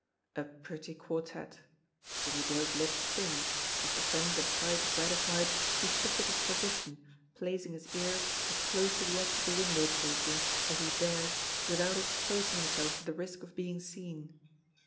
A pretty quartette! Jimmie Dale's lips; thinned, as, the sense of sight gratified, he shifted his position, placing his ear as close to the edge of the window casing as he dared without exposing himself to the risk of being seen.